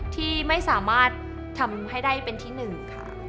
ที่ไม่สามารถทำให้ได้เป็นที่หนึ่งค่ะ